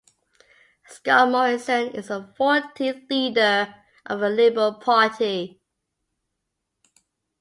Scott Morrison is the fourteenth leader of the Liberal Party.